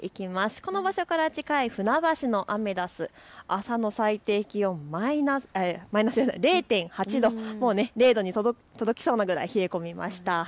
この場所から近い船橋のアメダス、朝の最低気温０．８度、もう０度に届きそうなぐらい冷え込みました。